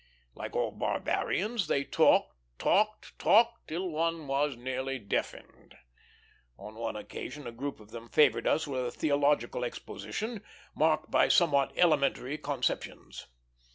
Like all barbarians, they talked, talked, talked, till one was nearly deafened. On one occasion, a group of them favored us with a theological exposition, marked by somewhat elementary conceptions.